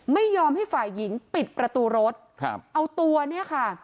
ไม่ยอมให้ฝ่ายหญิงปิดประตูรถครับเอาตัวเนี่ยค่ะ